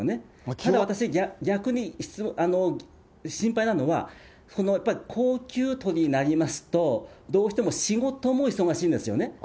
ただ、私、逆に心配なのは、このやっぱり高給取りになりますと、どうしても仕事も忙しいんですよね。